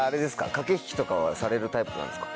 駆け引きとかはされるタイプなんですか？